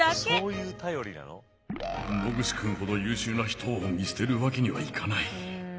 野口君ほど優秀な人を見捨てるわけにはいかない。